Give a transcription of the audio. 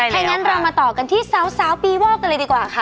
ถ้างั้นเรามาต่อกันที่สาวปีวอกกันเลยดีกว่าค่ะ